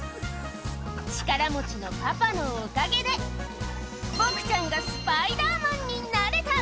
力持ちのパパのおかげで、ぼくちゃんがスパイダーマンになれた。